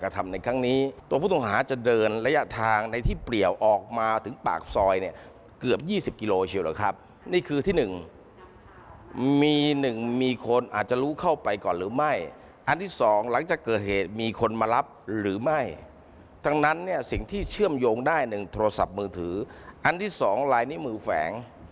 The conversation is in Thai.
ที่เชื่อมโยงได้หนึ่งโทรศัพท์มือถืออันที่สองไลน์นี้มือแฝง